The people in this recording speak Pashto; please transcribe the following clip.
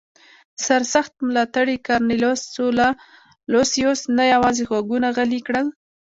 سرسخت ملاتړي کارنلیوس سولا لوسیوس نه یوازې غږونه غلي کړل